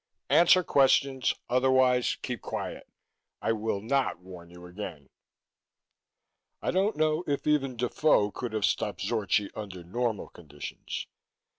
"Answer questions; otherwise keep quiet. I will not warn you again." I don't know if even Defoe could have stopped Zorchi under normal conditions.